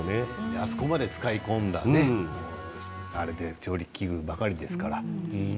あそこで使い込んだ調理器具ばかりですから。